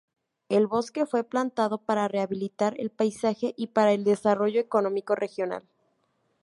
El bosque fue plantado para rehabilitar el paisaje y para el desarrollo económico regional.